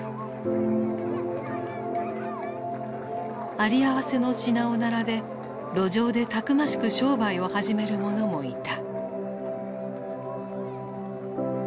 有り合わせの品を並べ路上でたくましく商売を始める者もいた。